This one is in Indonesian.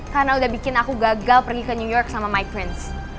karena udah bikin aku gagal pergi ke new york sama my prince